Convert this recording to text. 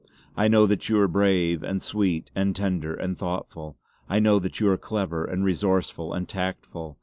I know that you are brave and sweet and tender and thoughtful. I know that you are clever and resourceful and tactful.